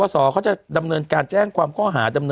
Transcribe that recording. ศัลยกรรม